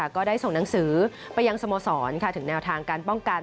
ก็ได้ส่งหนังสือไปยังสโมสรถึงแนวทางการป้องกัน